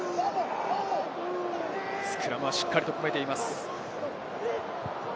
スクラムは、しっかり組めています。